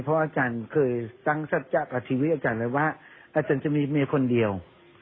เพราะอาจารย์เคยตั้งสัจจะกับชีวิตอาจารย์เลยว่าอาจารย์จะมีเมียคนเดียว